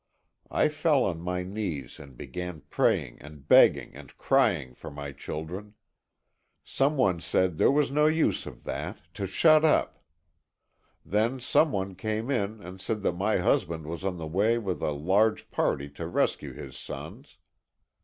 I fell on my knees and began praying and begging and crying for my children. Some one said there was no use of that, to shut up. Then some one came in and said that my husband was on the way with a large party to rescue his sons.